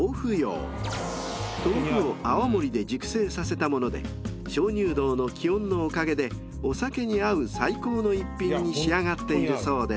［豆腐を泡盛で熟成させたもので鍾乳洞の気温のおかげでお酒に合う最高の一品に仕上がっているそうです］